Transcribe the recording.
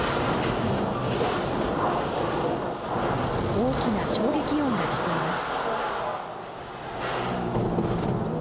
大きな衝撃音が聞こえます。